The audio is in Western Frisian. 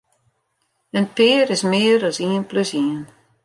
In pear is mear as ien plus ien.